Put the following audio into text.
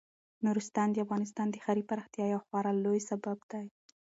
نورستان د افغانستان د ښاري پراختیا یو خورا لوی سبب دی.